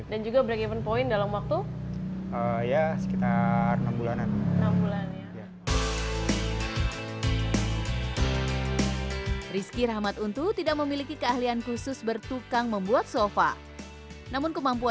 dan juga breakeven point dalam waktu